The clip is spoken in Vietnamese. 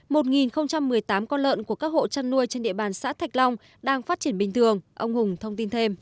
một một mươi tám con lợn của các hộ trăn nuôi trên địa bàn xã thạch long đang phát triển bình thường